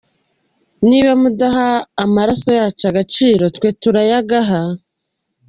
Niba mudaha amaraso yacu agaciro twe turayagaha.